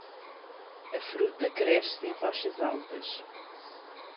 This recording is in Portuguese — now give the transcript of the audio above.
A fruta cresce em rochas altas.